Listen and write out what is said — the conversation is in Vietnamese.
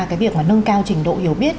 cái việc nâng cao trình độ hiểu biết